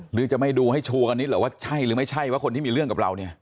หรือจะไม่ดูให้ชูกันนิดเหรอว่าใช่หรือไม่ใช่ว่าคนที่มีเรื่องกับเราเนี่ย